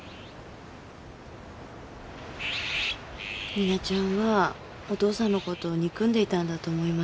実那ちゃんはお父さんを憎んでいたんだと思います。